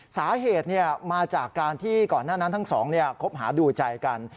สาเหตุมาจากการที่ก่อนหน้านั้นทั้งสองคบหาดูใจกัน